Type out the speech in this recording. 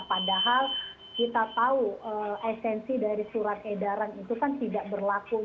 padahal kita tahu esensi dari surat edaran itu kan tidak berlaku